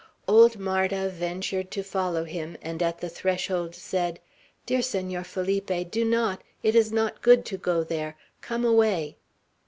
Old Marda ventured to follow him, and at the threshold said: "Dear Senor Felipe, do not! It is not good to go there! Come away!"